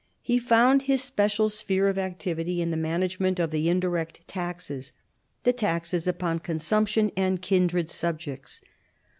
He found his special sphere of activity in the management of the indirect taxes, the to* xes upon consumption and kindred subjects.